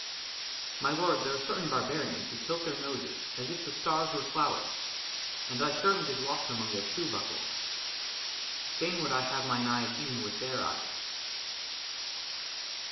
MY LORD, THERE ARE CERTAIN BARBARIANS WHO TILT THEIR NOSES AS IF THE STARS WERE FLOWERS, AND THY SERVANT IS LOST AMONG THEIR SHOE BUCKLES. FAIN WOULD I HAVE MINE EYES EVEN WITH THEIR EYES.